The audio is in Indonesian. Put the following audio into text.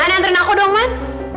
mana antren aku dong man